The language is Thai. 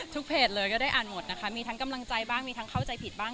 เพจเลยก็ได้อ่านหมดนะคะมีทั้งกำลังใจบ้างมีทั้งเข้าใจผิดบ้าง